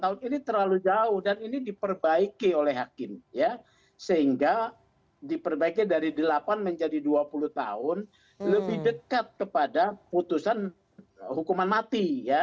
tahun ini terlalu jauh dan ini diperbaiki oleh hakim ya sehingga diperbaiki dari delapan menjadi dua puluh tahun lebih dekat kepada putusan hukuman mati